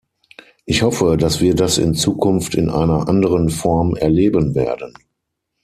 Ich hoffe, dass wir das in Zukunft in einer anderen Form erleben werden.